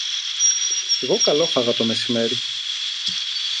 Εγώ καλόφαγα το μεσημέρι.